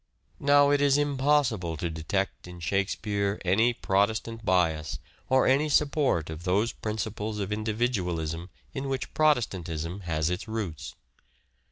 Now it is impossible to detect in " Shakespeare " any Protestant bias or any support of those principles of individualism in which Protestantism has its roots.